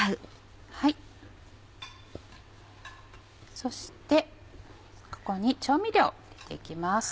そしてここに調味料入れて行きます。